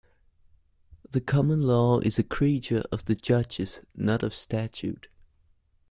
The common law is a creature of the judges, not of statute.